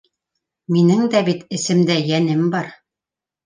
Минең дә бит... әсемдә йәнем бар!